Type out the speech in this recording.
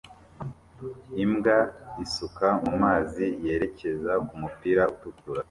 Imbwa isuka mumazi yerekeza kumupira utukura